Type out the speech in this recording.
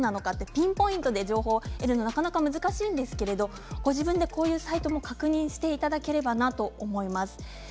ピンポイントで情報を得るのはなかなか難しいですがご自分でサイトを確認していただければなと思います。